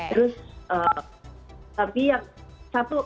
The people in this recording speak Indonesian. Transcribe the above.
terus tapi yang satu